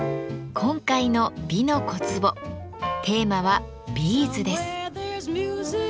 今回の「美の小壺」テーマは「ビーズ」です。